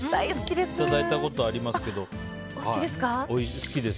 いただいたことありますけど好きです。